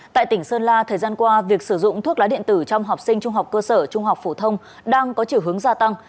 tại tỉnh sơn la thời gian qua việc sử dụng thuốc lá điện tử trong học sinh trung học cơ sở trung học phổ thông đang có chiều hướng gia tăng